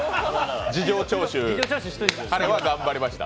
事情聴取、彼は頑張りました。